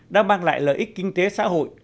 đã mang lại lợi ích kinh tế xã hội